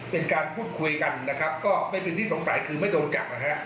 เป็นการพูดคุยกันก็ไม่เป็นที่สงสัยคือไม่โดนจับ